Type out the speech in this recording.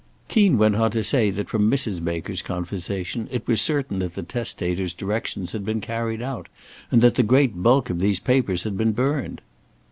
Keen went on to say that from Mrs. Baker's conversation it was certain that the testator's directions had been carried out, and that the great bulk of these papers had been burned.